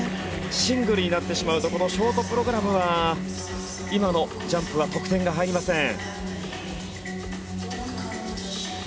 シングルになってしまうとこのショートプログラムは今のジャンプは得点が入りません。